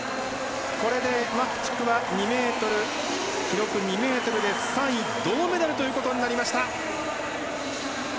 これでマフチフは記録、２ｍで３位銅メダルになりました。